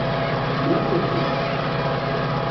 Mlalen-k-id?